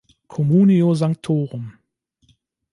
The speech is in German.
Communio Sanctorum.